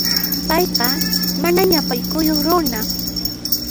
Payqa mana ñapaykukuq runan.